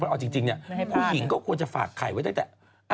เอาจริงเนี่ยผู้หญิงก็ควรจะฝากไข่ไว้ตั้งแต่